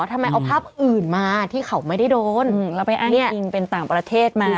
ทำไมเอาภาพอื่นมาที่เขาไม่ได้โดนแล้วไปอ้างอิงเป็นต่างประเทศมา